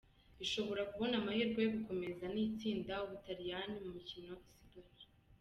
Ishobora kubona amahirwe yo gukomeza n'itsinda Ubutaliyani mu mukino isigaje.